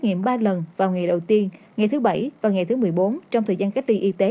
nghiệm ba lần vào ngày đầu tiên ngày thứ bảy và ngày thứ một mươi bốn trong thời gian cách ly y tế